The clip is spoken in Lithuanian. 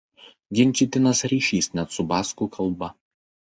Ginčytinas ryšys net su baskų kalba.